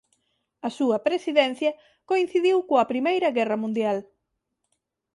A súa presidencia coincidiu coa Primeira Guerra Mundial.